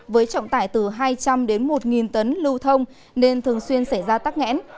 với trọng tải từ hai trăm linh đến một tấn lưu thông nên thường xuyên xảy ra tắc nghẽn